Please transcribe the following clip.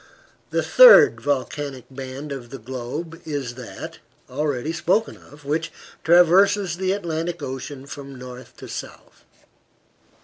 The third volcanic band of the globe is that, already spoken of, which traverses the Atlantic Ocean from north to south.